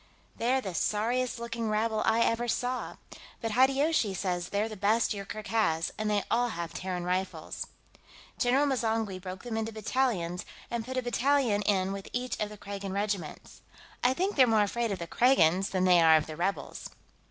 They're the sorriest looking rabble I ever saw, but Hideyoshi says they're the best Yoorkerk has, and they all have Terran style rifles. General M'zangwe broke them into battalions, and put a battalion in with each of the Kragan regiments. I think they're more afraid of the Kragans than they are of the rebels."